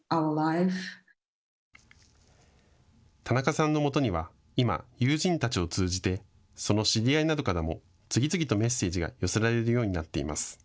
田中さんのもとには今、友人たちを通じてその知り合いなどからも次々とメッセージが寄せられるようになっています。